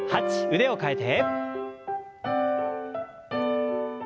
腕を替えて。